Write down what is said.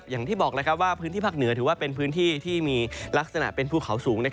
อย่างที่บอกว่าพื้นที่ภาคเหนือถือว่าเป็นพื้นที่ที่มีลักษณะเป็นภูเขาสูง